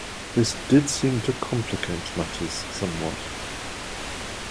This did seem to complicate matters somewhat.